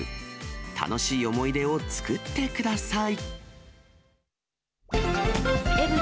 楽しい思い出を作ってください。